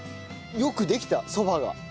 よくできたそばが。